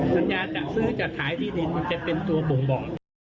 สัญญาจัดซื้อจัดขายที่ดินมันจะเป็นตัวบ่งบอก